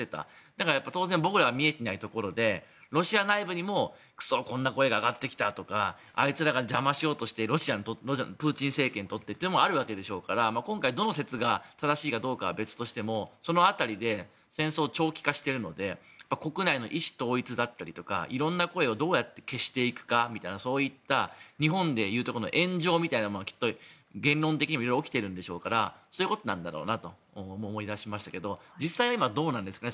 だから、当然僕らが見えていないところでロシア内部でもこんな声が上がってきたとかあいつらが邪魔しようとしてプーチン政権にとってということもあるわけでしょうから今回どの説が正しいかどうかは別としてもその辺りで戦争は長期化してるので国内の意思統一だったりとかいろんな声をどうやって消していくかというそういった日本でいうところの炎上みたいなものがきっと言論的にもいろいろ起きてるんでしょうからそういうことなんだろうなと思いましたけど実際、今はどうなんですか